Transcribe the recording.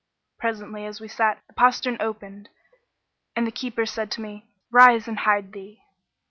Presently, as we sat, the postern opened and the keeper said to me, 'Rise and hide thee.'